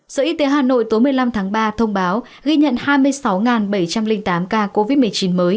sở y tế hà nội tối một mươi năm tháng ba thông báo ghi nhận hai mươi sáu bảy trăm linh tám ca covid một mươi chín mới